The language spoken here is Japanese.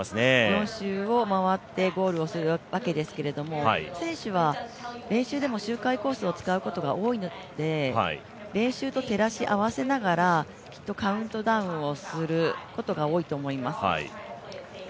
４周を回ってゴールをするわけですけれども、選手は練習でも周回コースを使うことが多いので練習と照らし合わせながら、きっとカウントダウンをすることが多いと思います。